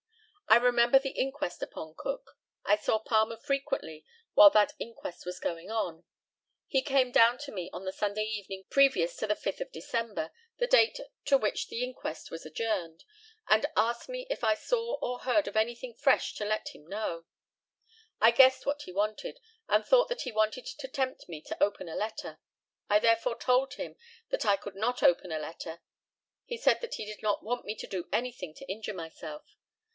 I remember the inquest upon Cook. I saw Palmer frequently while that inquest was going on. He came down to me on the Sunday evening previous to the 5th of December the date to which the inquest was adjourned and asked me if I saw or heard of anything fresh to let him know. I guessed what he wanted, and thought that he wanted to tempt me to open a letter. I therefore told him that I could not open a letter. He said that he did not want me to do anything to injure myself.